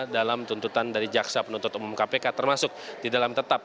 dalam tuntutan dari jaksa penuntut umum kpk termasuk di dalam tetap